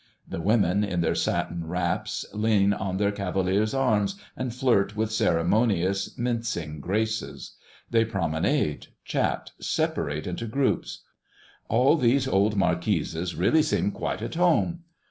The women, in their satin wraps, lean on their cavaliers' arms and flirt with ceremonious, mincing graces. They promenade, chat, separate into groups. All these old marquises really seem quite at home.